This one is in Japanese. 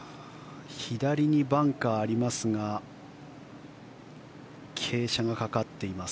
左にバンカーありますが傾斜がかかっています